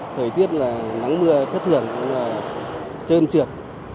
thời tiết là nắng mưa thất thường trơn trượt